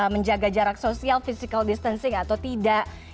menjaga jarak sosial physical distancing atau tidak